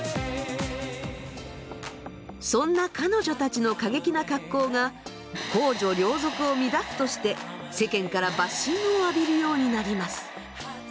そんな彼女たちの過激な格好が公序良俗を乱すとして世間からバッシングを浴びるようになります。